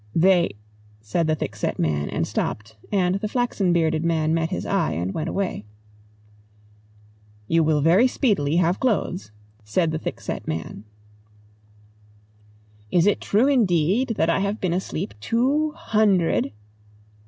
"They " said the thickset man and stopped, and the flaxen bearded man met his eye and went away. "You will very speedily have clothes," said the thickset man. "Is it true indeed, that I have been asleep two hundred